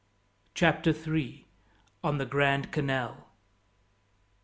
Chapter 3: On The Grand Canal.